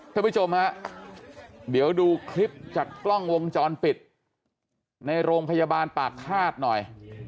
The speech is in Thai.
ท่านผู้ชมฮะเดี๋ยวดูคลิปจากกล้องวงจรปิดในโรงพยาบาลปากฆาตหน่อย